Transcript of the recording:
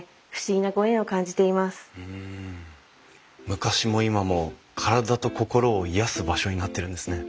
昔も今も体と心を癒やす場所になってるんですね。